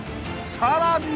［さらに］